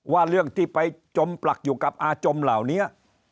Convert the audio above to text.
ว่าเรื่องที่ไปจมปลักอยู่กับอาจมเหล่านี้